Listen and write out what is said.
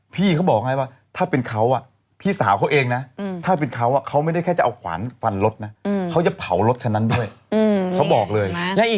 สีเรียสขึ้นมาทันที